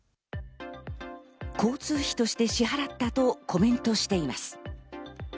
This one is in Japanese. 交通費として支払ったとコメントしています。